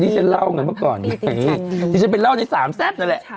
ใช่ล่ะชั้นไปเล่าใน๓แซ่บ่อยแหละ